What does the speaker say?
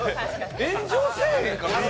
炎上せえへんかな？